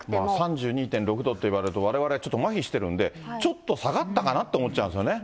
３２．６度といわれると、われわれ、ちょっとまひしてるんで、ちょっと下がったかなって思っちゃうんですよね。